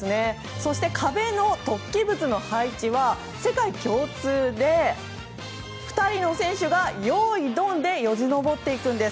そして、壁の突起物の配置は世界共通で２人の選手が用意ドンでよじ登っていくんです。